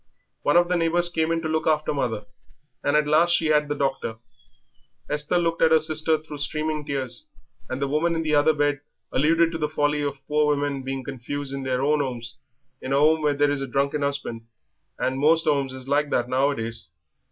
One of the neighbours came in to look after mother, and at last she had the doctor." Esther looked at her sister through streaming tears, and the woman in the other bed alluded to the folly of poor women being confined "in their own 'omes in a 'ome where there is a drunken 'usband, and most 'omes is like that nowadays."